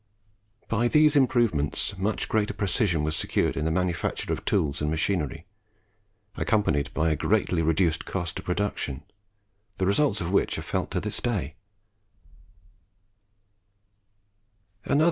By these improvements much greater precision was secured in the manufacture of tools and machinery, accompanied by a greatly reduced cost of production; the results of which are felt to this day.